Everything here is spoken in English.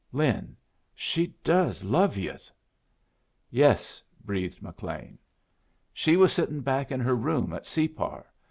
Lin, she does love yus!" "Yes," breathed McLean. "She was sittin' back in her room at Separ.